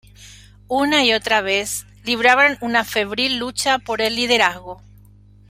Una y otra libraban una febril lucha por el liderazgo.